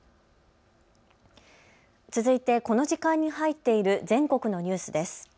続いてこの時間に入っている全国のニュースです。